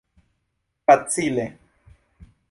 facile